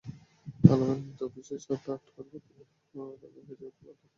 আলমের মতো অফিসের সাত-আট কর্তাকে রাখা হয়েছে ওদের আড়ালে রাখার জন্য।